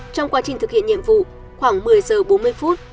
trong quá trình thực hiện nhiệm vụ khoảng một mươi giờ bốn mươi phút